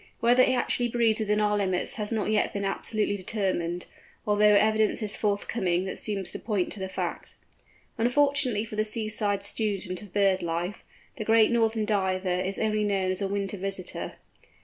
Whether it actually breeds within our limits has not yet been absolutely determined, although evidence is forthcoming that seems to point to the fact. Unfortunately for the seaside student of bird life, the Great Northern Diver is only known as a winter visitor.